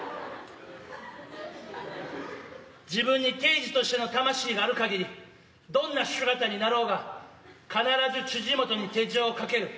「自分に刑事としての魂があるかぎりどんな姿になろうが必ず辻本に手錠を掛ける。